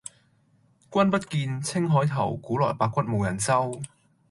君不見，青海頭，古來白骨無人收。